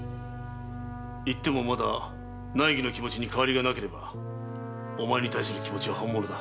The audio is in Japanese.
言ってもまだ内儀の気持ちに変わりがなければお前に対する気持は本物だ。